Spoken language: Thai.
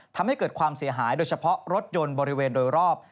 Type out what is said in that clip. ทำให้เกิดความเสียหายโดยเฉพาะรถยนต์บริเวณโดยรอบ